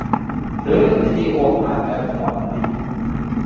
รื้อทีโออาร์แอร์พอร์ตลิงค์